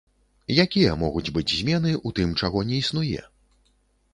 Якія могуць быць змены ў тым, чаго не існуе?